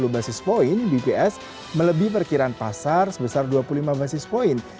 bps melebih perkiraan pasar sebesar dua puluh lima basis point